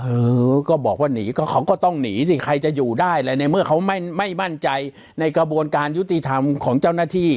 เออก็บอกว่าหนีก็เขาก็ต้องหนีสิใครจะอยู่ได้อะไรในเมื่อเขาไม่มั่นใจในกระบวนการยุติธรรมของเจ้าหน้าที่